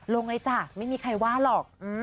ลงเลยจ้ะไม่มีใครว่าหรอก